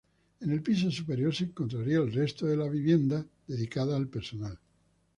En el piso superior se encontrarían el resto de viviendas dedicadas al personal.